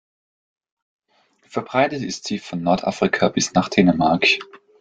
Verbreitet ist sie von Nordafrika bis nach Dänemark.